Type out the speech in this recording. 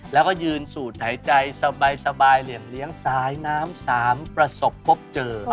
แล้วก็ยืนสูดหายใจสบายเหลี่ยมเลี้ยงสายน้ำสามประสบพบเจอ